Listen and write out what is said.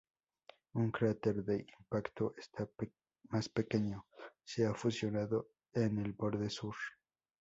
Un cráter de impacto más pequeño se ha fusionado con el borde sur.